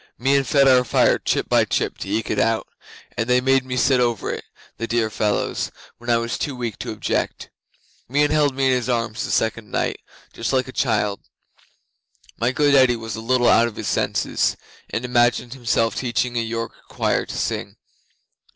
Meon fed our fire chip by chip to eke it out, and they made me sit over it, the dear fellows, when I was too weak to object. Meon held me in his arms the second night, just like a child. My good Eddi was a little out of his senses, and imagined himself teaching a York choir to sing.